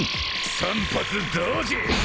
３発同時。